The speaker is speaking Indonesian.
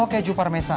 oh keju parmesan